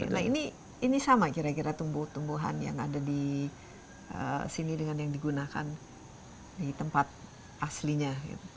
nah ini sama kira kira tumbuh tumbuhan yang ada di sini dengan yang digunakan di tempat aslinya